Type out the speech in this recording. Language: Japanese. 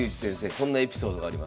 こんなエピソードがあります。